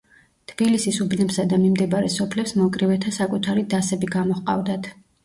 თბილისის უბნებსა და მიმდებარე სოფლებს მოკრივეთა საკუთარი დასები გამოჰყავდათ.